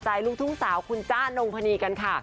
ลูกทุ่งสาวคุณจ้านงพนีกันค่ะ